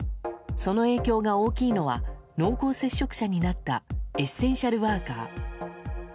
その影響が大きいのは濃厚接触者になったエッセンシャルワーカー。